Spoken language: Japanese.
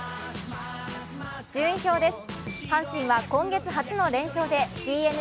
順位表です。